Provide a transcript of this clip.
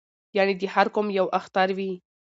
یعنې د هر قوم یو اختر وي